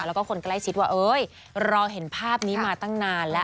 แล้วก็คนใกล้ชิดว่าเอ้ยรอเห็นภาพนี้มาตั้งนานแล้ว